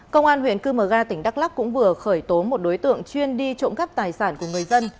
công an huyện cư mờ ga tỉnh đắk lắc cũng vừa khởi tố một đối tượng chuyên đi trộm cắp tài sản của người dân